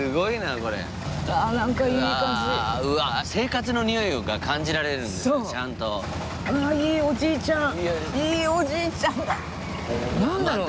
いいおじいちゃんだ。